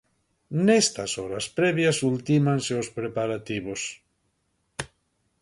Nestas horas previas ultímanse os preparativos.